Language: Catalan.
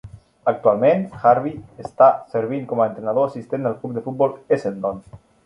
Actualment, Harvey està servint com a entrenador assistent al Club de futbol Essendon.